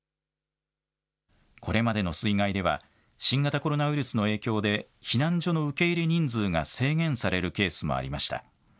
これまでの水害では新型コロナウイルスの影響で避難所の受け入れ人数が制限されるケースもありました。